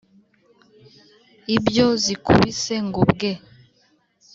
ibyo zikubise ngo bwe